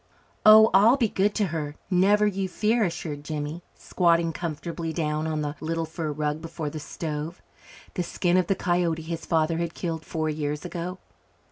"Oh, I'll be good to her, never you fear," assured Jimmy, squatting comfortably down on the little fur rug before the stove the skin of the coyote his father had killed four years ago.